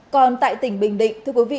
còn tại tỉnh bình định thưa quý vị